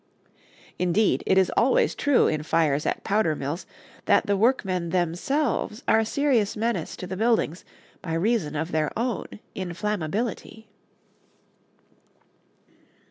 Indeed, it is always true in fires at powder mills that the workmen themselves are a serious menace to the buildings by reason of their own inflammability.